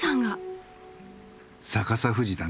逆さ富士だね。